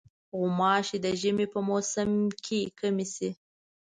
غوماشې د ژمي په موسم کې کمې شي.